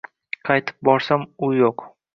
Qaytib borsam u yo’q